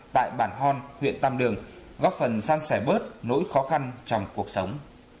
tại bản hon huyện tàm được góp phần gian sẻ bớt nỗi khó khăn trong cuộc sống